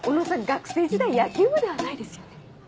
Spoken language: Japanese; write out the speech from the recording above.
学生時代野球部ではないですよね？